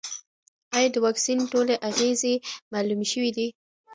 ایا د واکسین ټولې اغېزې معلومې شوې دي؟